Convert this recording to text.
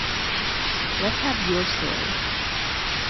Let's have your story.